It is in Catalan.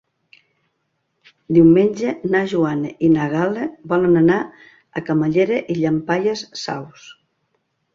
Diumenge na Joana i na Gal·la volen anar a Camallera i Llampaies Saus.